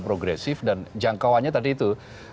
progresif dan jangkauannya tadi itu